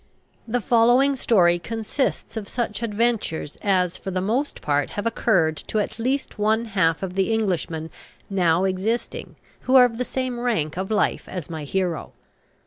The following story consists of such adventures as for the most part have occurred to at least one half of the Englishmen now existing who are of the same rank of life as my hero.